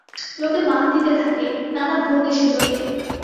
লোকে মান দিতে থাকে, নানা ভোগ এসে জোটে।